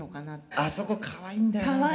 あそこかわいいんだよな政子さん。